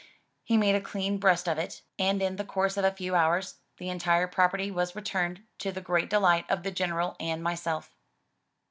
He made a clean breast of it, and in the course of a few hours, the entire property was returned, to the great delight of the General and myself.